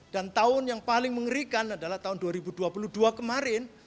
dan tahun yang paling mengerikan adalah tahun dua ribu dua puluh dua kemarin